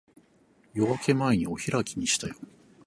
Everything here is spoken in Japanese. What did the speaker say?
夜明け前にお開きにしたよ。